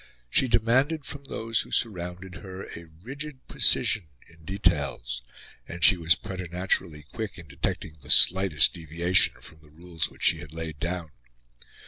She demanded from those who surrounded her a rigid precision in details, and she was preternaturally quick in detecting the slightest deviation from the rules which she had laid down.